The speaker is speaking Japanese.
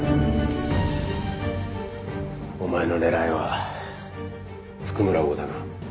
お前の狙いは譜久村翁だな？